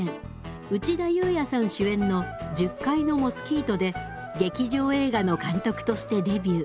内田裕也さん主演の「十階のモスキート」で劇場映画の監督としてデビュー。